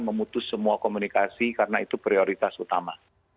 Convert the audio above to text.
memutus semua komunikasi karena itu prioritas utama